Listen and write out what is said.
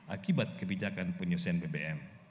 akibat kebijakan penyesuaian bbm